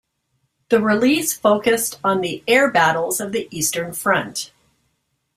The release focused on the air battles of the Eastern Front.